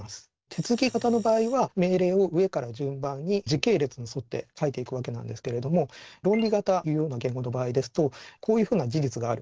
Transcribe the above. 手続き型の場合は命令を上から順番に時系列に沿って書いていくわけなんですけれども論理型いうような言語の場合ですとこういうふうな事実がある。